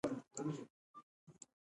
دا د انسان له باور پرته خطرناکه ده.